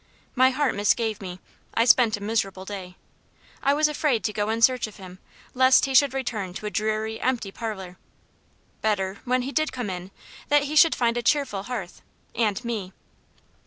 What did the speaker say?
My heart misgave me I spent a miserable day. I was afraid to go in search of him, lest he should return to a dreary, empty parlour. Better, when he did come in, that he should find a cheerful hearth and me.